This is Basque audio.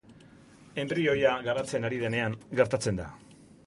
Enbrioia garatzen ari denean gertatzen da.